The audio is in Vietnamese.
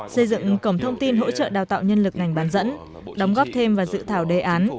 xây dựng cổng thông tin hỗ trợ đào tạo nhân lực ngành bán dẫn đóng góp thêm và dự thảo đề án